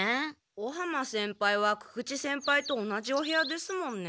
尾浜先輩は久々知先輩と同じお部屋ですもんね。